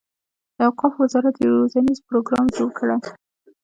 د اوقافو وزارت روزنیز پروګرام جوړ کړي.